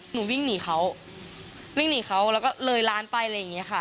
วิ่งหนีเขาวิ่งหนีเขาแล้วก็เลยร้านไปอะไรอย่างนี้ค่ะ